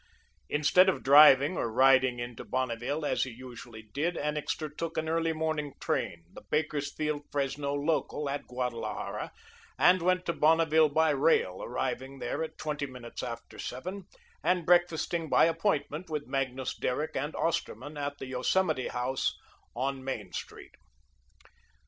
Instead of driving or riding into Bonneville, as he usually did, Annixter took an early morning train, the Bakersfield Fresno local at Guadalajara, and went to Bonneville by rail, arriving there at twenty minutes after seven and breakfasting by appointment with Magnus Derrick and Osterman at the Yosemite House, on Main Street.